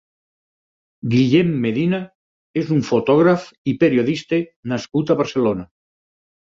Guillem Medina és un fotògraf i periodista nascut a Barcelona.